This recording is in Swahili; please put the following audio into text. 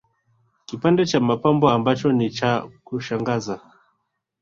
Kipande cha mapambo ambacho ni cha kushangaza